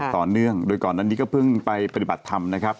ต่อเนื่องโดยก่อนนั้นนี้ก็เพิ่งไปปฏิบัติธรรมนะครับ